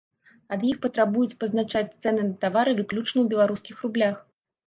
Ад іх патрабуюць пазначаць цэны на тавары выключна ў беларускіх рублях.